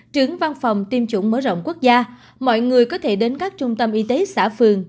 trưởng văn phòng tiêm chủng mở rộng quốc gia mọi người có thể đến các trung tâm y tế xã phường